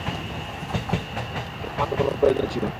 বলতে চাইছি যে, প্রথমে তোমার কোনো প্রয়োজন ছিল না।